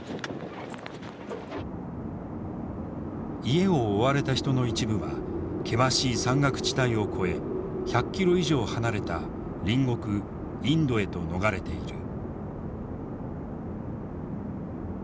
家を追われた人の一部は険しい山岳地帯を越え１００ｋｍ以上離れた隣国インドへと逃れている。